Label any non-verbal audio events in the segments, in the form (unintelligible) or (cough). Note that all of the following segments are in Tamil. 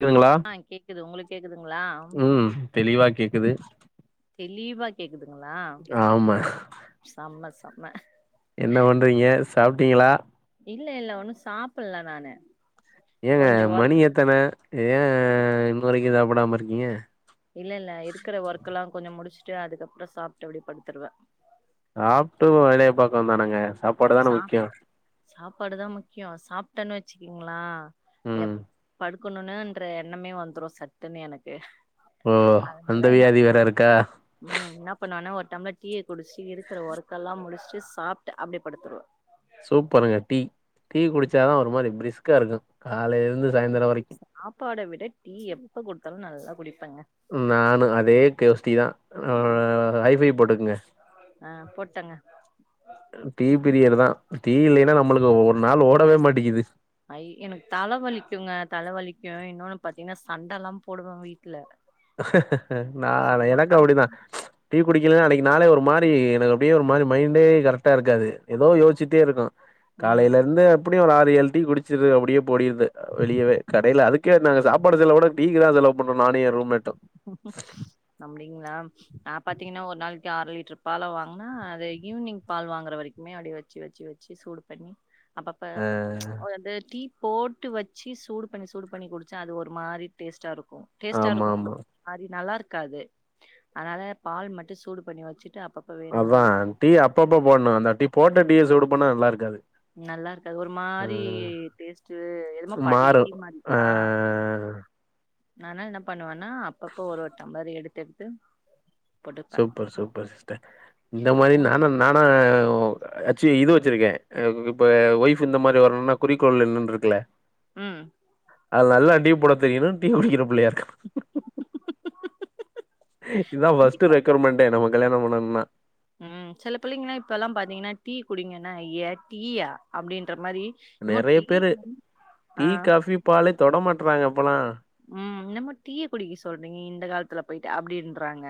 கேக்குதுங்களா ஆ கேக்குது உங்ளுக்கு கேக்குதுங்களா ம் தெளிவா கேக்குது தெளிவா கேக்குதுங்ளா ஆமா சம்ம சம்ம என்ன பண்றீங்க சாப்ட்டீங்ளா இல்ல இல்ல ஒண்ணு சாப்புல்ல நானு ஏங்க கொஞ்சோ மணி ஒர்க் எத்தன ஏ இன்ன வரைக்கு சாப்டாம இருக்கீங்க இல்ல இல்ல இருக்குற ஒர்க்கல்லா கொஞ்ச முடிச்சுட்டு அதுக்கப்றோ சாப்ட்டு அப்டி படுத்துருவே சாப்ட்டு ஓ வேலய பாக்கவுதானங்க சாப் சா சாப்பாடுதா முக்யோ சாப்ட்டன்னு வச்சிக்கீங்ளே ம் எப் படுக்கணும்ன்ற எண்ணமே வந்துறு சட்டுன்னு எனக்கு ஓ அதனால அந்த என்ன வியாதி வேற இருக்கா ம் இன்ன பண்ணுவானா ஒரு டம்ளர் டீய குடிச்சி இருக்கிற ஒர்க்கல்லா முடிச்சிட்டு சாப்ட்டு அப்டே படுத்துடுவே சூப்பருங்க டீ டீ குடிச்சாதா ஒரு மாரி பிரிஸ்கா இருக்கு காலைல சாப்பாட விட டீ எப்ப குடுத்தாலு நல்லா குடிப்பேங்க நானு அதே கோஸ்டி தா ம் ம் ஒரு ஐபை போட்டுக்கங்க ஆ போட்டங்க டீ பிரியர் தா டீ இல்லைன்னா நம்ளுக்கு ஒரு நாள் ஓடவே மாட்டிக்கிது ஐ எனக்கு தல வலிக்குங்க தல வலிக்கு இன்னொன்னு பாத்தீங்கன்னா சண்டல்லா போடுவே வீட்ல நா செம்ம எனக்கு சண் அப்டிதா டீ குடிக்கலன்னா அன்னைக்கு நாளே ஒரு மாரி எனக்கு அப்டியே ஒரு மாரி மைண்டே கரெக்டா இருக்காது ஏதோ யோசிச்சி ட்டே இருக்கு ம் காலையில இருந்து எப்டியு ஒரு ஆறு ஏழு டீ குடிச்சிருவே அப்டியே ஓடிருது வெளியவே கடைல அதுக்கே நாங்க சாப்பாடு செலவோட டீ க்கு தா செலவு பண்றோ நானு எ ரூ அப்டிங்ளா நா பாத்தீங்கன்னா ஒரு நாளைக்கு அர லிட்டர் பால வாங்கனா அது ஈவினிங் பால் வாங்குற வரைக்மே அப்டியே வச்சு வச்சு வச்சு சூடு பண்ணி அப்பப்ப ஆ அப்பப்ப அந்த டீ போட்டு வச்சு சூடு பண்ணி சூடு பண்ணி குடிச்சா அது ஒரு மாரி டேஸ்டா இருக்கு டேஸ்டா ஆமா இருக்கும்னா ஆமா மாரி நல்லா இருக்காது அதனால பால் மட்டு சூடு பண்ணி வச்சுட்டு அப்ப அதா டீ அப்பப்ப போட்ணு அந்த டீ போட்ட டீய சூடு பண்ணா நல்லா இருக்காது நல்லா இருக்காது ஒரு ஆ மாரி டேஸ்ட்டு எதுமோ பழைய டீ மாறும் மாரி ஆ இருக்கா நானா என்ன பண்ணுவனா அப்பப்ப ஒரு ஒரு டம்ளர் எடுத்து எடுத்து போட்டுப்பேன் சூப்பர் சூப்பர் சிஸ்டர் இந்த மாரி ஒன்- நானா நானா அச்சி இது வச்சிருக்கே இப்ப ஒய்ஃப் இந்த மாரி வரணுனா குறிக்கோள் இன்னன் இருக்குல ம் அது நல்லா டீ போட தெரியனு டீ குடிக்கிற புள்ளயா இருக்கனு இதா ஃபர்ஸ்ட்டு கண்டிப்பா ரெக்குவர்மெண்டே நம்ம கல்யாணம் பண்ணணுனா ம் சில பிள்ளைங்கல்லா இப்பல்லா பாத்தீங்கன்னா டீ குடிங்கன்னா ஐய டீயா அப்டின்ற மாரி என்னமோ டீ (inaudible) ஆ ப்பாலே தொட மாட்றாங்க இப்பல்லா ம் என்னமா டீய குடிக்க சொல்றீங்க இந்த காலத்துல போயிட்டு அப்டின்றாங்க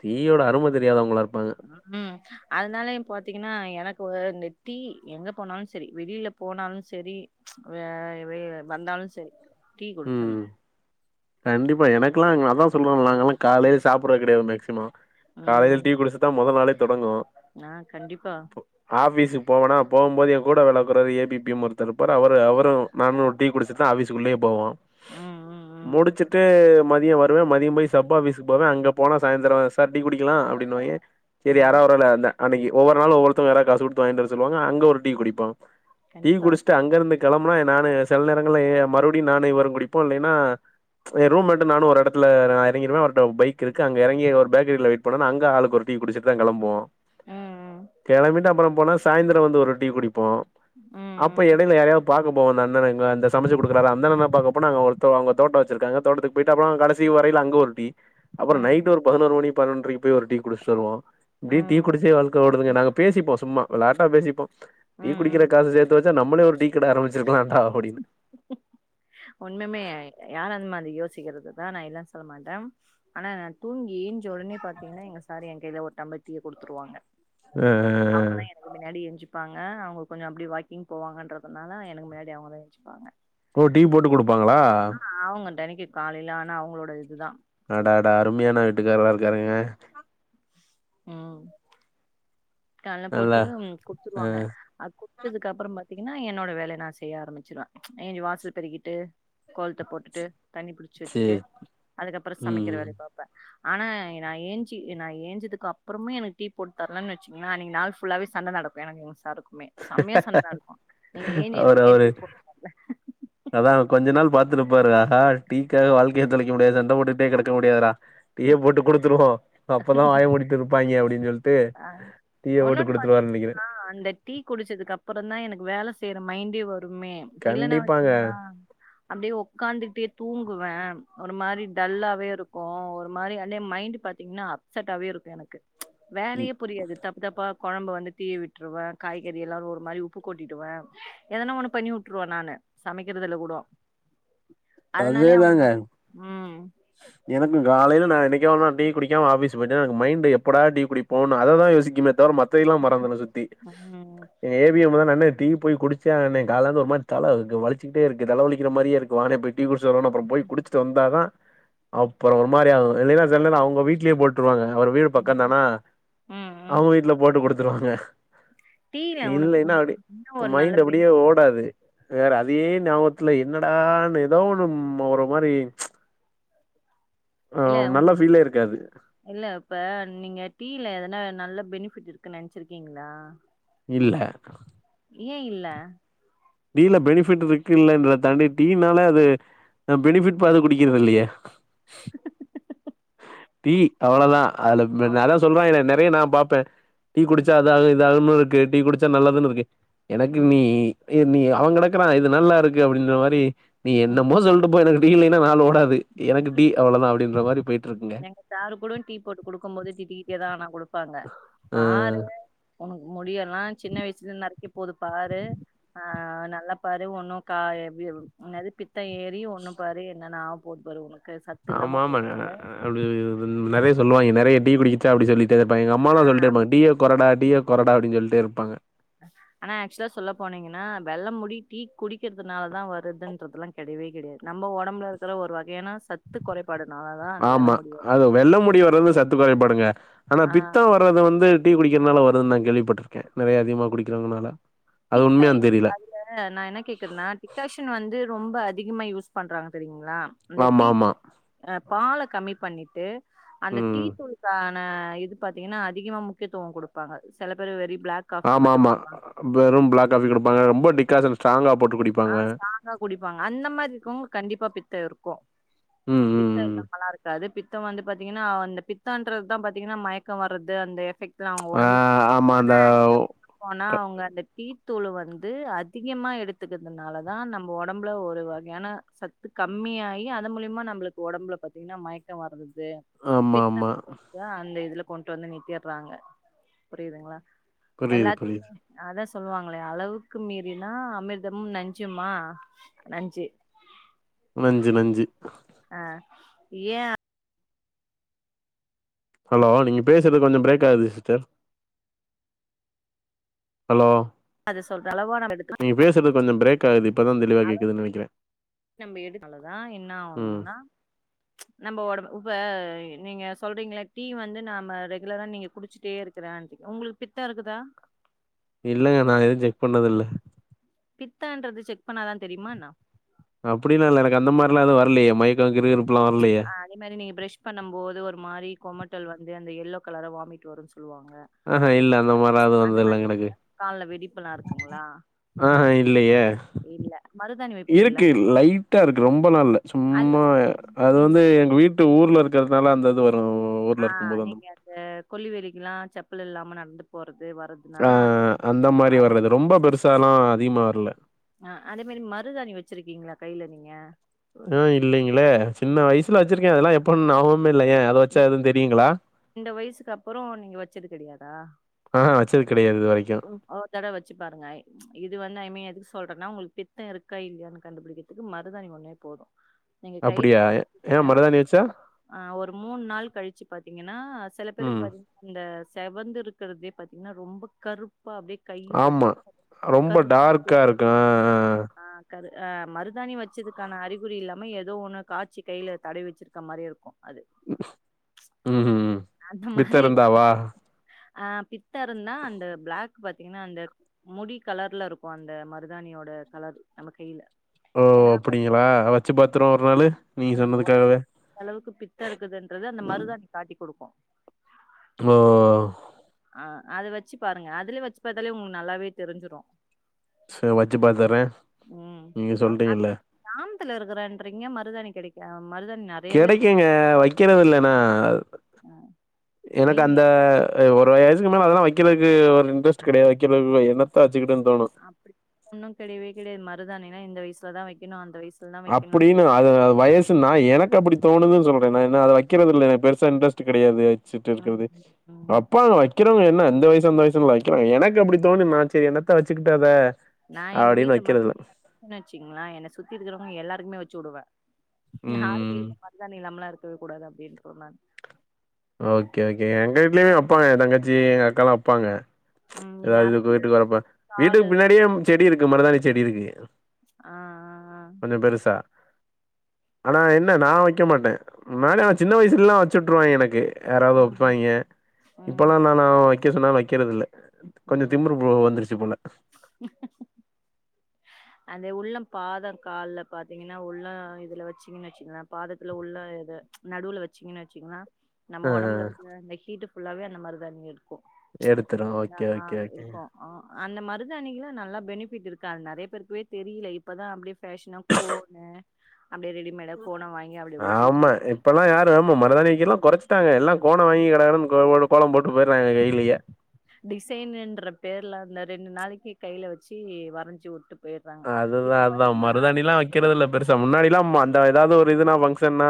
டீ யோட அரும தெரியாதவங்ளா இருப்பாங்க ம் அதனாலயு பாத்தீங்கன்னா எனக்கு ஒரு டீ எங்க போனாலு செரி வெளில போனாலு செரி வ வந்தாலு செரி டீ குடிச்சிணு ம் கண்டிப்பா எனக்லா அங்க நா தா சொல்றேன் நாங்கலா காலையே ம் சாப்றதே கெடையாது மேக்ஸிமொ காலைல ம், டீ குடிச்சுதா மொத நாளே தொடங்கூ ஆ கண்டிப்பா ஆபிஸுக்கு போவனா போம் போதே கூட வேள பாக்குறவரு ஏ பி பி எம் ஒருத்தர் இருப்பாரு அவரு அவரூ நானு டீ குடிச்சிட்டு தா ஆஃபீஸ்குள்ளயே போவோ ம் ம் ம் முடிச்சிட்டு மதியொ வருவே மதியொ போய் சப் ஆபிஸ்கு போவே அங்க போனா சாயந்தரோ சார் டீ குடிக்கலா அப்டின்வாய்ங்க செரி ம் யாராவ்து ஒரு ஆளு இந்த அன்னைக்கி ஒவ்வொரு நாளு ஒவ்வொருத்தர் வேர காசுகுடுத்து வாங்கிட்டு வர சொல்லுவாங்க அங்க ஒரு டீ குடிப்போ டீ கண்டிப்பா குடிச்சிட்டு அங்கருந்த கெளம்புனா நானு செல நேரங்கள்ல ஏ மறுபடியு நானு இவரு குடிப்போ இல்லேன்னா என் ரூம் மெட்டு நானூ ஒரு எடத்துல நா எறங்கிடுவே அவர்டட பைக் இருக்கு அங்க எறங்கி ஒரு பேக்கரில வெயிட் பண்ணோ அங்க ஆளுக்கு ஒரு டீ குடிச்சிட்டு தா கெளம்புவோ ம் கெளம்பிட்டு அப்பறம் போனா சாய்ந்தரம் வந்து ஒரு டீ குடிப்போ ம் அப்ப ம் எடையில யாரையாவ்து பாக்க போவ அண்ணனுங்க அந்த சமைச்சு குடுக்குறாறா அந்த அண்ணன பா போனா அங்க ஒருத்தவ தோட்டோ வச்சுருக்காங்க தோட்டத்துக்கு போய்ட்டு அப்புறம் கடைசி வரயில அங்க ஒரு டீ அப்பறொ ம் நைட் ஒரு பதினோரு மணி பன்னொன்றரைக்கி போய் ஒரு குடிச்சிட்டு வருவோ இப்டி டீ ம் குடிச்சே வாழ்க்க ஓடுதுங்க நாங்க பேசிப்போ சும்மா விளையாட்டா பேசிப்போ ம் டீ குடிக்கிற ம். காச சேத்து வச் ச்சா நம்மளே ஒரு டீக்கட ஆரம்பிச்சிருக்கலாண்டா அப்டின்னு ஹ உண்முமே யாரந்தமா அது யோசிக்கிறது தா நா இல்லன் சொல்ல மாட்டே ஆனா நா தூங்கி ஏஞ்ச ஒடனே பாத்தீங்கன்னா எங்க சார் எ கையில ஒரு டம்பர் டீய குடுத்துருவாங்க அ அ அ அவுங்க தா எனக்கு மின்னாடி எஞ்சிப்பாங்க அவுங்களுக்கு கொஞ்சோ அப்டி வாக்கிங் போவாங்கன்றதுனால எனக்கு மின்னாடி அவுங்க தா எஞ்சிப்பாங்க ஓ டீ போட்டு குடுப்பாங்களா ஆ அவாங்க தெனக்கி காலைல ஆனா அவுங்களோட இதுதா அடாடா அருமையானா வீட்டுக்காரரா இருக்காருங்க ம் கால்ல போட்டு நல்லா ம் ஆ குடுத்துருவாங்க அது குடுத்ததுக்கு அப்பறம் பாத்தீங்கன்னா என்னோட வேலை நா செய்ய ஆரம்பிச்சுருவே ஏனி வாசல் பெருக்கிட்டு கோலத்த போட்டுட்டு தண்ணி புடிச்சு வச்சுட்டு சேரி அதுக்கப்பற சமைக்கிற ம் வேலைய பாப்பே ஆனா நா ஏஞ்சி நா ஏஞ்சதுக்கு அப்பறமே எனக்கு டீ போட்டு தரலன்னு வச் ங்ள அன்னக்கி நாள் ஃபுல்லாவே சண்ட நடக்கூ எனக்கூ எங்க சாருக்கூ மே செம்மையா சண்ட நடக்கூ நீ ஏன் எனக்கு ஏன் டீ போட் அதான் கொஞ்ச நாள் பாத்துட்டு இருப்பாரு ஆஹா டீக்காக வாழ்க்கையை தொலைக்க முடியாது சண்டை போட்டுட்டே கெடக்க முடியாதுடா டீய போட்டு குடுத்துருவோ அப்பதா வாய மூடிட்டு இருப்பாய்ங்க அப்டின்னு சொல்லிட்டு ஆ டீய போட்டு ஒன்னொன்னு குடுத்துருவாருன்னு நெனைக்கிறே பாத்தீங்கன்னா அந்த டீ குடிச்சதுக்கு அப்பற தா எனக்கு வேலை செய்ற மைண்டே வருமே இல்லன்னா கண்டிப்பாங்க வச்சீங்களா அப்டியே உக்காந்துட்டே தூங்குவே ஒரு மாரி டல்லாவே இருக்கு ஒரு ஒரு மாரி அண்ணே மைண்ட் பாத்தீங்கன்னா அப்செட் ஆவே இருக்கு எனக்கு வேலையே புரியாது தப்பு தப்பா கொழம்பு வந்து தீய விட்டுருவே காய்கறி எல்லா ஒரு மாரி உப்பு கொட்டிடுவே எதனா ஒண்ணு பண்ணி விட்ருவவே நானு சமைக்கிறதுல கூட அதனாலயே அவங்க ந அதேதாங்க ம் எனக்கு காலையில நான் என்னைக்கோ ஒரு நாள் டீ குடிக்காம ஆபீஸ் போயிட்டே மைண்ட் எப்டா டீ குடிப் போஅததா யோசிக்கணுமே தவிர மத்தெல்லா மறந்துறு சுத்தி ம் ஏ (unintelligible) டீ போய் குடிச்ச காலந்து ஒருமாரி தல வலிச்சிக்கிட்டே இருக்கு தலை வலிக்கிற மாரியே இருக்கு டீ குடிச்சிட்டு அப்புறம் போய்ப குடிச்சுட்டு வந்தாதா அப்றோ ஒரு மாரி செல நேரோ அவங்க வீட்லயே போட்டு வாங்க அவர் வீடு ம் பக்கம்தானா ம் ம் அவங்க வீட்டுல போட்டு குடுத்துருவாங்க டீல உனக்கு இல்லைன்னா அப்படி என்ன ஒரு நல்ல மைண்ட் அப்டியே பெனிஃபிட் ஓட வேற அதே ஞாபகத்துல என்னடான்னு ஏதோ ஒரு மாதிரி இல்ல நல்ல உங்களுக்கு ஃபீலே இருக்காது இல்ல இப்ப நீங்க டீல எதனா நல்ல பெனிஃபிட் இருக்குன்னு நெனைச்சிருக்கீங்களா இல்ல ஏ இல்ல டீல பெனிஃபிட் இருக்கு இல்லலைன்ற தண்டி டீனாலே அது பெனிஃபிட் பாத்து குடிக்கிறது இல்லயே (inaudible) டீ அவ்வளதா அதுல நா அவ்ளோதா தா சொல்றே இத நெறைய நா பாப்பே டீ குடிச்சா ம் அதாக இதாகன்னு இருக்கு டீ குடிச்சா நல்லதுன்னு இருக்கு எனக்கு ம் நீ நீ அவெ கெடக்கறா இது நல்லா இருக்கு அப்டின்ற மாரி நீ என்ன ம் மோ சொல்ட்டு போ எனக்கு டீ இல்லன்னா நாலு ஒட அது எனக்கு டீ அவ்வளதா அப்டின்ற மாரி போயிட்டு இருக்குங்க எங்க சாரு கூட டீ போட்டு குடுக்கு போது திட்டிடேதா ஆனா குடுப்பாங்க அ பாரு உனக்கு முடியல்லா சின்ன வயசுல நறைக்க போது பாரு அ நல்லா பாரு ஒண்ணு கா என்னது பித்த ஏறி ஒண்ணு பாரு என்னன்ன ஆக போது பாரு உனக்கு சத்து இல்லாம போப்போற அப்டி நெறைய சொல்லுவாய்ங்க நெறைய டீ குடிச்சா அப்டி சொல்லிட்டே இருப்பாய்க எங்க ஆ அம்மாலா அப்படி- சொல்லிட்டேருப்பாங்க டீய கொறடா டீய கொறடா அப்டின்னு சொல்லிட்டே இருப்பாங்க ஆனா ஆக்சுவலா சொல்ல போனீங்கன்னா வெள்ள முடி டீ குடிக்கிறதுனால தா வருதுன்றதெல்லா கெடையவே கெடையது நம ஒடம்புல இருக்கிற ஒரு வகையான சத் சத்து இந்த குறைபாடு தா ஆமா அது வெள்ள முடி வர்றது சத்து குறைபாடுங்க ஆனா ஆ பித்த வர்றது வந்து டீ குடிக்கிறதுனால வருது நா கேள்விப்பட்டிருக்கே நெறைய அதிகமா குடிக்கிறதுனால பித்தையு அது நா என்ன கேக்குறனா டிகாஷன் வந்து ரொம்ப அதிகமா யூஸ் பண்றாங்க தெரியுங்களா அந்த ஆமா, டீ ஆமா. பால கம்மி பண்ணிட்டு அந்த டீ ம். (unintelligible) இது பாத்தீங்கன்னா அதிகமா முக்கியத்துவ குடுப்பாங்க சில பேர் வெரி பிளாக் காஃபி ஆமா மட்டு ஆமா குடுப்பாங்க வெறு பிளாக் காபி கொடுப்பாங்க ரொம்ப டிகாஷன் ஸ்ட்ராங்கா போட்டு குடி அ ஸ்ட்ராங்கா குடிப்பாங்க அந்த மாரி இருக்றவங்க கண்டிப்பா பித்த இருக்கு ம் ம் பித்த ம். இல்லமல்லா இருக்காது பித்தம் வந்து பாத்தீங்கன்னா அந்த பித்தன்றதுதா பாத்தீங்கன்னா மயக்க வர்றது அந்த எபக்ட் அவங்க ஆ ஒடம்பு ஆமா ஆனா அந்த ஆக்சுல போனா க அவங்க அந்த டீத்தூள வந்து அதிகமா எடுத் துக்கிறதுனாலதா நம்ம ஒடம்புல ஒரு வகையான சக்த கம்மி அயி அத மூலயமா நம்மளுக்கு ஒடம்புல பாத்தீங்கன்னா மயக்க வர்றது ஆமா பித்த ஆமா அந்த இதுல கொண்டு வந்து நிறுத்தடுறாங்க புரியுதுங்களா புரியுது, எல்லாத்துமே புரியுது. அதா சொல்லுவாங்களே அளவுக்கு மீறினா அமிர்தமு நஞ்சுமா நஞ்சு நஞ்சு நஞ்சு அ ஏ ஹலோ நீங்க பேசுறது கொஞ்ச பிரேக் ஆகுது சிஸ்டர் ஹலோ அது சொல்ற அவா நம்ம எடு நீங்க பேசுறது கொஞ்ச பிரேக் ஆகுது இப்பதா தெளிவா கேக்குது நெனைக்கிறே நம்ம எடுக்காலதா என்ன ம் ஆகணும்னா நம்ம ஒட இப்ப நீங்க சொல்றீங்கள டீ வந்து நாம ரெகுலரா நீங்க குடிச்சட்டே இருக் கிறா உங்களுக்கு பித்த இருக்குதா இல்லங்க நா எதுவு செக் பண்ணதில்ல பித்தன்றது செக் பண்ணாதா தெரியுமா என்னா அப்டின்னா இல்ல எனக்கு அந்த மாரிலா எது வரலையே மயக்க கிரு இருப்புல்லா வரலயே ஆ அதே மாரி நீங்க ப்ரஷ் பண்ணும் போது ஒரு மாரி கொமட்டல் வந்து அந்த எல்லோ கலரா வாமிட் வருனு சொல்லுவாங்க ஆ ஹ இல்ல அந்த மாரிலா அந்த வந்தது இல்ல மாரி எனக்கு கால்ல வெடிப்புலாம் இருக்குங்களா? ஆ இல்லயே இல்ல. மருதாணி வைப்பீங்களா? இருக்கு லைட்டா இருக்கு ரொம்பலா அது சும்மா அது வந்து எங்க வீட்டு ட்டு ஊர்ல இருக்கிறதுனால அந்த இது வரு ஊர்ல இருக்கும் போது அந்த இந்த கொல்லி வெரிக்கல்லா செப்பல் இல்லாம நடந்து போறது வர்றது ஆ அந்த மாரி வர்றது ரொம்ப பெருசலா அதிகமா வரல ஆ அதே மாரி மருதாணி வச்சிருக்கீங்களா கைல நீங்க ஆ இல்லங்கிளே சின்ன வயசுல வச்சிருக்க அதெல்லா எப்ப ஞாபமே இல்ல ஏ வச்சா எதுவு தெரியுங்களா ரெண்டு வயசுக்கு அப்புற நீங்க வச்சது கெடையாதா ஆ வச்சது கெடையாது இது வரைக்கு ஒரு தட வச்சு பாருங்க இது வந்து ஐ மீன் எதுக்கு சொல்றேன்னா உங்ளுக்கு பித்த இருக்கா இல்லையான்னு கண்டுபிடிக்க த்துக்கு மருதானி ஒன்னே போது நீங்க கையில அப்டியா ஏ வைங்கன்னா மருதானி வச்சா ஆ ஒரு மூணு நாள் கழிச்சு பாத்தீங்கன்னா செல பேருக்கு ம் பாத்தீங்க அந்த செவந்து இருக்கறதே பாத்தீங்கன்னா ரொம்ப கருப்பா அப்டியே கைய பாதி ஆமா ரொம்ப கருப்பாக்கி டார்க்கா இருக்கு ஆ ஆ ஆ கரு அ மருதாணி வச்சதுக்கான அறிகுறி இல்லாம ஏதோ ஒண்ணு காட்சி கையில தடை வச்சிருக்க மாரியே இருக்கு அது ம் ம் அந்த பித்த மாரி இருந்தாவா ஆ பித்த இருந்தா அந்த ப்ளாக் பாத்தீங்கன்னா அந்த முடி கலர்ல இருக்கு அந்த மருதாணியோட கலர் நம்ம கைல ஓ அப்படிங்களா வச்சு பாத்துர்வோ ஒரு நாளு நீங்க சொன்னதுக்காகவே அ அளவுக்கு பித்த இருக்குதுன்றது அந்த மருதாணி காட்டி குடுக்கு ஓ ஆ அத வச்சு பாருங்க அதுலயே வச்சு பாத்தாலே உங்களுக்கு நல்லாவே தெரிஞ்சிரு சரி வச்சு பாத்தறே நீங்க சொல்றீங்கல்ல க்ராமத்துல இருக்கிறேன்றீங்க மருதாணி கெடைக்க மருதானி ந கெடைக்குங்க வைக்கிறதில்ல நா ம், எனக்கு வைங்க. அந்த ஆ ஒரு வயசுக்கு மேல அதெல்லா வைக்கிரதுக்கு ஒரு இன்டரெஸ்ட் கெடயாது வெக்கறதுல்ல என்னத்த வெச்சுக்கிட்டுன்னு தோணு அப்டி ஒன்னு கெடையவே கெடையாது மருதானி நா இந்த வயசுல தா வைக்கணு அந்த வயசு அப்டின்னு அது வயச் நா எனக்கு அப்டி தோணுது சொல்ற நா அத வைக்கதுல்ல எ பெருசா இன்டரெஸ்ட் கெடையாது வெச்சிட்டு ம், இருக்கிறது ம். அப்பாங்க வை க்கிறவங்க என்ன அந்த வயசு அந்த வயசுல வைக்கிலாங்க எனக்கு அப்டி தோணு நா செரி என்னத்த வெச்சுக்கிட்டத அப்டின்னு வைக்கறதுல வெச்சுங்களே என்ன சுத்தி இருக்குறவங்க எல்லாருக்குமே வெச்சு வுடுவே யாரு ம் கைல மருதானி இல்லாம்ளா இருக்கவே கூடாது அப்டின்றுவ நான் ஓகே ஓகே எங்க வீட்லயு வெப்பாங்க எ தங்கச்சி எங்க அக்க எல்லா வைப்பாங்க ம். நீங்க அதாவது அரைச்சு வீட்டுக்கு வரப்ப காலு வீட்டுக்கு பின்னாடியே செடி இருக்கு மருதானி செடி இருக்கு ஆ ஆ ஆ பெருசா ஆனா என்ன நா வைக்க மாட்டே ஆனா சின்ன வயசுல எல்லா வெ ச்சுட்ருவாங்க எனக்கு யாராவது ஆ. ம், வெப்பாய்ங்க இப்பல்லா நானா வைக்க சொன்னாலு வைக்கிறதில்ல ம், கொஞ்சொ ம். திமிரு ப்ரோ வந்துருச்சு போல (unintelligible) அந்த உள்ளம் பாதம் கால்ல பாத்தீங்கன்னா உள்ளம் இதுல வெச்சீங்கன்னு வெச்சுங்களே பாதத்துல உள்ள இது நடுவுல வெச்சீங்கன்னு வெச்சீங்கன்னா நம்ம ஆ, ஒடம்புல ஆ. இருக்குற இந்த ஹீட்டு் ஃபுல்லாவே அந்த மாரி தா ஈர் கு எடுத்துரும் நா ஓகே ஓகே ஓகே இருப்போ ஆ அந்த மருதாணிக்கெல்லா நல்லா பெனிஃபிட் இருக்காது நறைய பேருக்குவே தெரியில இப்பதா அப்டி ஃபேஷனா கோணு அப்டியே ரெடிமேடா கோண வாங்கி அப்டி அப்டியே ஆமா பூச்சிகுட்டு இப்பெல்லா யாரு ஆமா மருதானி வெக்கிரல்லா கொறச்சிட்டாங்க எல்லா ஆ. கோன வாங்கி கடகடன் கோ கோல போட்டு போயிடுறாங்க கையிலயே டிசைனுன்ற பேர்ல அந்த ரெண்டு நாளைக்கு கையில வெச்சு வரஞ்சி வுட்டு போயிடுறாங்க இப்ப பாத்தீங்கன்னா அது க்கிறதுலுல்ல பெருசா முன்னாடிலல்லாம்மா அந்த ஏதாவது ஒரு இதுனா ஃபங்க்ஷன்னா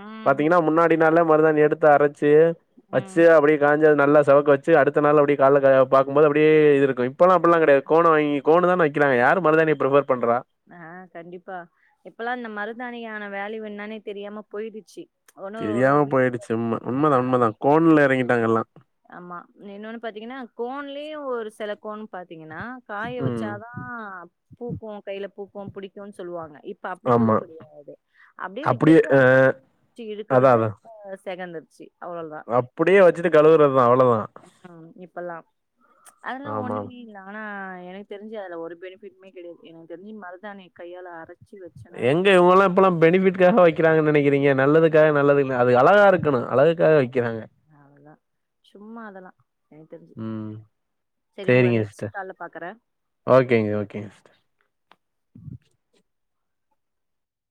ம் பாத்தீங்கன்னா முன்னாடி நாளே மருதானி எடுத்து அரச்சு வச்சு ம் அப்டி காஞ்சு அது நல்லா செவக்கவச்சு அடுத்த நாள் அப்டி கால கா பாக்கும் போது அப்டியே இது இருக்கு இப்போல்லா அப்பெல்லா கெடா கோண வாங்க கோணு தானே வைக்கிறாங்க யாரு மருதானிய ப்ரிஃபர் பண்றா ஆ கண்டிப்பா இப்பல்லா இந்த மருதாணியான வேல்யு என்னானே தெரியாம போயிடுச்சு ஒன்னு ஒரு தெரியாம ஒரு வீ போயிடுச்சு உண்ம ஆ உண்மதா உண்மதா கோன்ல எறங்கிட்டாங்க எல்லா ஆமா இன்னொன்னு பாத்தீங்கன்னா கோன்லயே ஒரு சில கோன் பாத்தீங்கன்னா காய ம் வெச்சாதா பூக்கு கையில பூக்கு புடிக்குன் சொல்லுவாங்க இப் ப ஆமா அப்டிக்குடுவு முடியாது அப்டியே வைக்கிறது அப்டி ச்சு அதா இருக்குறது அதா ஆ செகந்துடீச்சு அவ்வளதா அப்டியே வெச்சிட்டு கழுகுறதா அவ்ளோதா ஆ இப்பல்லா அதெல்லா ஆமா ஒண்ணுமே இல்லா ஆனா எனக்கு தெரிஞ்சு அதுல ஒரு பெனிஃபிட்மே கெடையாது எனக்கு தெரிஞ்சு மருதானி கையால அர எங்க இவங்கல்லா இப்பெல்லா பெனிஃபிட்காக வைக்கிறாங்க நெனைக்கிறீங்க நல்லதுக்காக நல்லது அது அழகா இருக்கு அழகு அது அவ்ளதா சும்மா அதெல்லா எனக்கு தெரிஞ்சு ம் சரி உங்கள சேரிங்க நெக்ஸ்ட் சிஸ்டர் கால்ல பாக்குறே ஓகேங்க ஓகேங்க